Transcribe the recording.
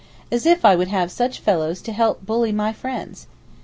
As if I would have such fellows to help to bully my friends.